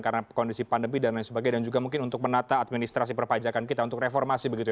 karena kondisi pandemi dan lain sebagainya dan juga mungkin untuk menata administrasi perpajakan kita untuk reformasi begitu